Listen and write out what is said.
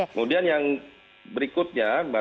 kemudian yang berikutnya